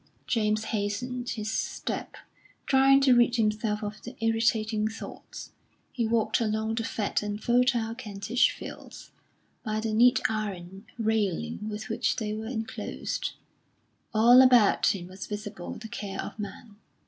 James hastened his step, trying to rid himself of the irritating thoughts. He walked along the fat and fertile Kentish fields, by the neat iron railing with which they were enclosed. All about him was visible the care of man.